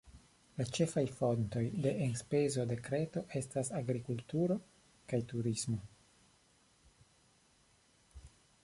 La ĉefaj fontoj de enspezo de Kreto estas agrikulturo kaj turismo.